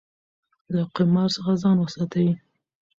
له قمار څخه ځان وساتئ.